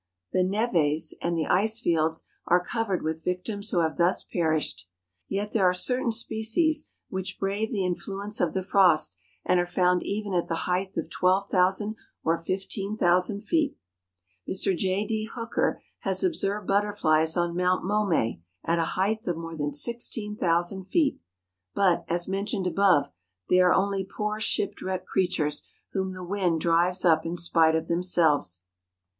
The n^ves and the ice fields are covered with victims who have thus perished. Yet there are certain species which brave the in¬ fluence of the frost and are found even at the height of 12,000 or 15,000 feet. Mr. J. D. Hooker has observed butterflies on Mount Momay, at a height ANIMAL LIFE IN MOUNTAIN REGIONS. 317 of more than 16,000 feet; but, as mentioned above, they are only poor shipwrecked creatures whom the wind drives up in spite of themselves.